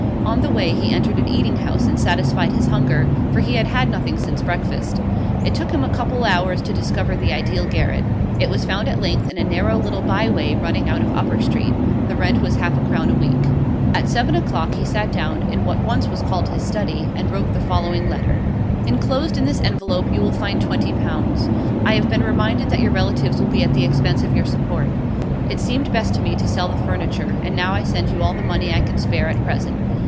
On the way, he entered an eating house and satisfied his hunger, for he had had nothing since breakfast. It took him a couple of hours to discover the ideal garret; it was found at length in a narrow little by way running out of Upper Street. The rent was half a crown a week. At seven o'clock he sat down in what once was called his study, and wrote the following letter: 'Enclosed in this envelope you will find twenty pounds. I have been reminded that your relatives will be at the expense of your support; it seemed best to me to sell the furniture, and now I send you all the money I can spare at present.